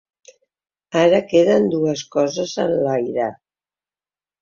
Ara queden dues coses en l’aire.